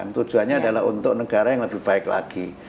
tujuannya adalah untuk negara yang lebih baik lagi